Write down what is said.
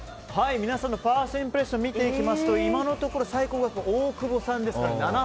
皆さんのファーストインプレッション見ていきますと今のところ最高額は大久保さんで７２００円。